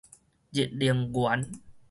日能源